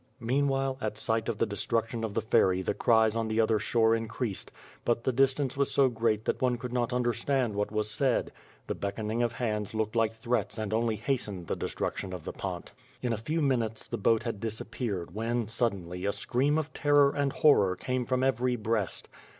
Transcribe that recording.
Meanwhile, at sight of the destruction of the ferry, the cries on the other shore increased; but the distance was so great that one could not understand what was said. The beckon ing of hands looked like threats and only hastened the de struction of the pont. In a few minutes, the boat had disappeared when, sud denly, a scream of terror and horror came from every breast.